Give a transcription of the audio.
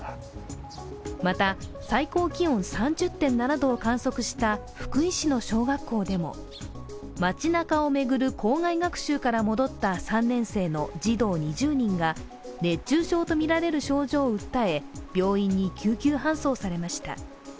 また、最高気温３０．７度を観測した福井市の小学校でも街なかを巡る校外学習から戻った３年生の児童２０人が熱中症とみられる症状を訴え、病院に救急搬送されました。